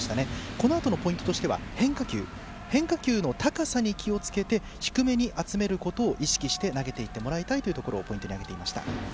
このあとのポイントとしては変化球の高さに気をつけて低めに集めることを意識して投げていってもらいたいというところをポイントに挙げていただきました。